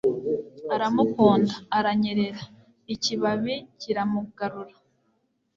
aramukunda; aranyerera; ikibabi kiramugarura